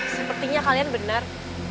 sepertinya kalian benar